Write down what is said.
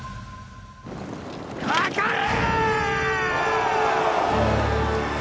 かかれ！